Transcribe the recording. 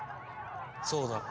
そうだ。